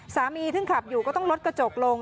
สามีซึ่งขับอยู่ก็ต้องลดกระจกลง